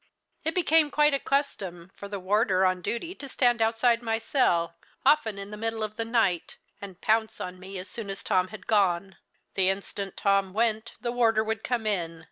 It became quite a custom for the warder on duty to stand outside my cell, often in the middle of the night, and pounce on me as soon as Tom had gone. The instant Tom went, the warder would come in.